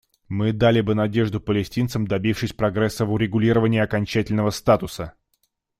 Мы дали бы надежду палестинцам, добившись прогресса в урегулирования окончательного статуса.